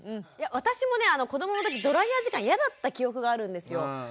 私もね子どもの時ドライヤー時間嫌だった記憶があるんですよ。